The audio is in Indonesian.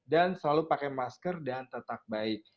dan selalu pakai masker dan tetap baik